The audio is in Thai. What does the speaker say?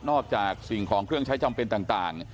สิ่งของเครื่องใช้จำเป็นต่าง